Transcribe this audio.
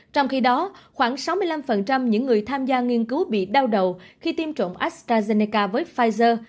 trong khi đó khoảng sáu mươi năm những người tham gia nghiên cứu bị đau đầu khi tiêm chủng astrazeneca với pfizer